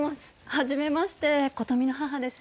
初めまして琴美の母です